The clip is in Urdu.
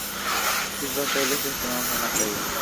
اس بار پہلے سے اہتمام ہونا چاہیے۔